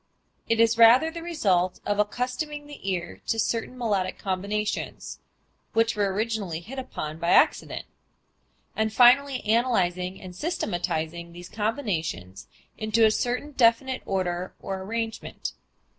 It is rather the result of accustoming the ear to certain melodic combinations (which were originally hit upon by accident), and finally analyzing and systematizing these combinations into a certain definite order or arrangement.